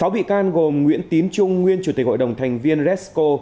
sáu bị can gồm nguyễn tín trung nguyên chủ tịch hội đồng thành viên resco